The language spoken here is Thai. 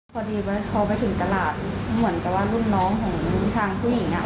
พอหญิงไปถึงตลาดเหมือนกับรุ่นน้องของผู้หญิง